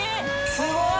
すごい！